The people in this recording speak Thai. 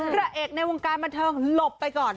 พระเอกในวงการบันเทิงหลบไปก่อน